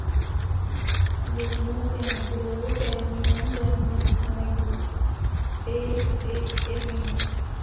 Le Monténégro termine dernier de son groupe et est éliminé.